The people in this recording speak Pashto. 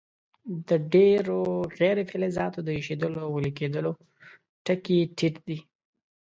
د ډیرو غیر فلزاتو د ایشېدلو او ویلي کیدلو ټکي ټیټ دي.